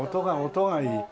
音がいい。